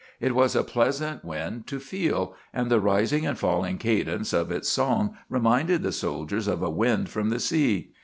It was a pleasant wind to feel, and the rising and falling cadence of its song reminded the soldiers of a wind from the sea.